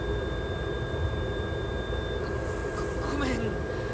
ごごめん。